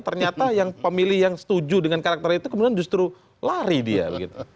ternyata yang pemilih yang setuju dengan karakter itu kemudian justru lari dia begitu